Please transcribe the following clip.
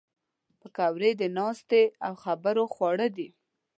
پکورې د ناستې او خبرو خواړه دي